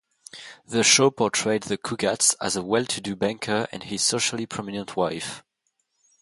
The show portrayed the Cugats as a well-to-do banker and his socially prominent wife.